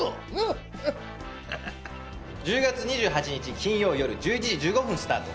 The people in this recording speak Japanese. １０月２８日金曜よる１１時１５分スタート。